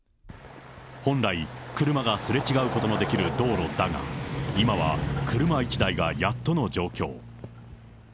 本来、車がすれ違うことのできる道路だが、今は車１台がやっとの状況。